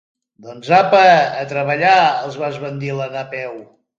Doncs apa, a treballar —els va esbandir la Napeu—.